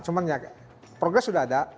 cuman ya progres sudah ada